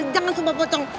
jangan sumpah pocong